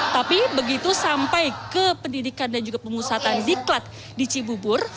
tapi begitu sampai ke pendidikan dan juga pengusahaan ziklat di cibubur